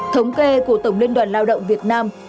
thống kê của tổng liên đoàn lao động việt nam